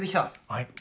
はい。